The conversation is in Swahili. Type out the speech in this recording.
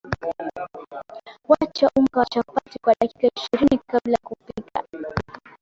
wacha unga wa chapati kwa dakika ishirini kabla ya kupika